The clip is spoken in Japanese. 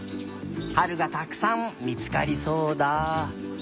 はるがたくさんみつかりそうだ。